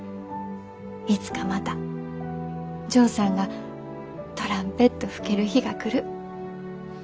いつかまたジョーさんがトランペット吹ける日が来る。